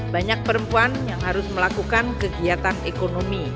banyak perempuan yang harus melakukan kegiatan ekonomi